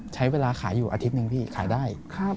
ใช้เวลาขายอยู่อาทิตย์หนึ่งพี่ขายได้